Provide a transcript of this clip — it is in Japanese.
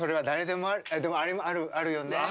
でも、あるよね。